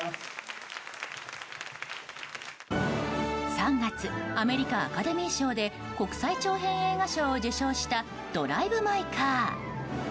３月、アメリカアカデミー賞で国際長編映画賞を受賞した「ドライブ・マイ・カー」。